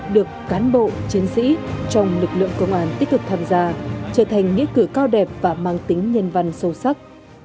được cán bộ chiến sĩ trong lực lượng công an tích cực tham gia trở thành nghĩa cử cao đẹp và mang tính nhân văn sâu sắc